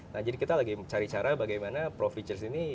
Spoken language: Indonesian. nah jadi kita lagi cari cara bagaimana pro fitur ini bisa diterima dan dimengerti